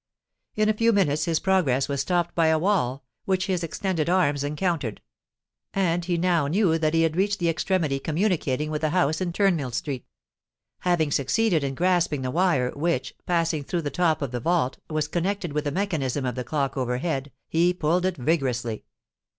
In a few minutes his progress was stopped by a wall, which his extended arms encountered; and he now knew that he had reached the extremity communicating with the house in Turnmill Street. Having succeeded in grasping the wire which, passing through the top of the vault, was connected with the mechanism of the clock overhead, he pulled it vigorously.